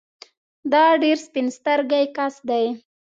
دا ډېر سپين سترګی کس دی